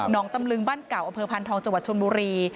น้องตำลึงบ้านเก่าอพันธ์ทองจชนบุรี